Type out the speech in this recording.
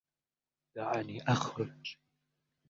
دعني أخرُج!